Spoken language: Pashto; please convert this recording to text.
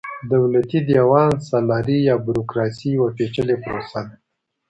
دولتي دېوان سالاري يا بروکراسي يوه پېچلې پروسه ده.